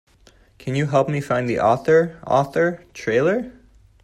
Can you help me find the Author! Author! trailer?